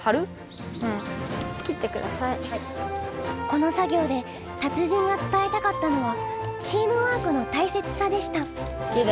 この作業で達人が伝えたかったのは「チームワークのたいせつさ」でした。